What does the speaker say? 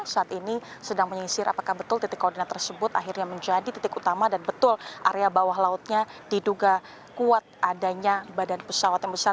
saat ini sedang menyisir apakah betul titik koordinat tersebut akhirnya menjadi titik utama dan betul area bawah lautnya diduga kuat adanya badan pesawat yang besar